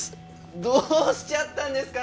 どうしちゃったんですかね